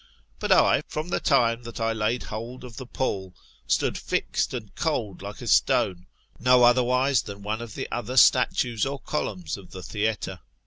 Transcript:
But I, from the time that I laid hold of (he pall, stood fixed and cold like a stone, no otherwise than one of the other statues or columns of the theatre.